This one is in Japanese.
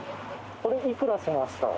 これ幾らしました？